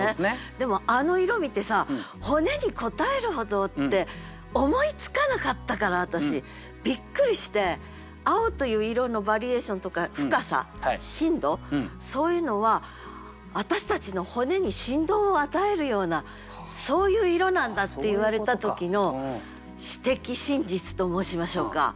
でもあの色見てさ「骨にこたへるほど」って思いつかなかったから私びっくりして青という色のバリエーションとか深さ深度そういうのは私たちの骨に振動を与えるようなそういう色なんだって言われた時の詩的真実と申しましょうか。